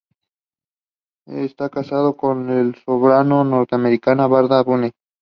Estuvo casado con la soprano norteamericana Barbara Bonney.